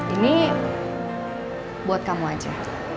ini buat kamu aja